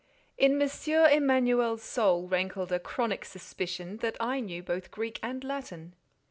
In M. Emanuel's soul rankled a chronic suspicion that I knew both Greek and Latin.